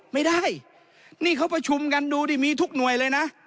ไม่ได้นี่เขาประชุมกันดูดิมีทุกหน่วยเลยนะ